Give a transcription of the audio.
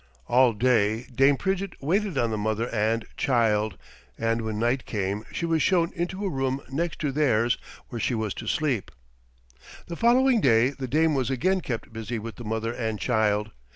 All day Dame Pridgett waited on the mother and child, and when night came she was shown into a room next to theirs where she was to sleep. The following day the dame was again kept busy with the mother and child.